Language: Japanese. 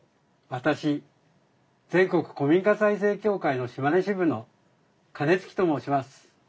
私全国古民家再生協会の島根支部の金築と申します。